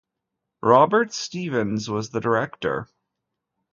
Robert Stevens was the director.